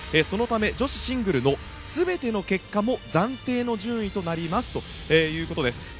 そのため女子シングルの全ての結果も暫定の順位となりますということです。